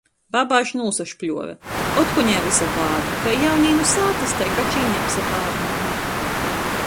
Baba až nūsašpļuove. Otkon jai vysa bāda — kai jaunī nu sātys, tai kačine apsabārnoj!